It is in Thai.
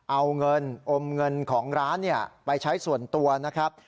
เอาเงินอมเงินของร้านไปใช้ส่วนตัวนะครับ